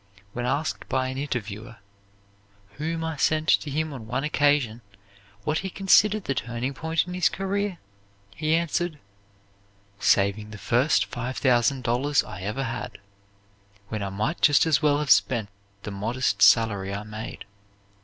When asked by an interviewer, whom I sent to him on one occasion, what he considered the turning point in his career, he answered, "Saving the first five thousand dollars I ever had, when I might just as well have spent the modest salary I made.